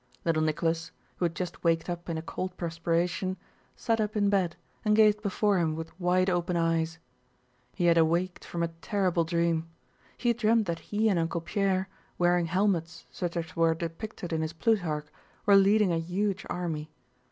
Little Nicholas, who had just waked up in a cold perspiration, sat up in bed and gazed before him with wide open eyes. He had awaked from a terrible dream. He had dreamed that he and Uncle Pierre, wearing helmets such as were depicted in his Plutarch, were leading a huge army.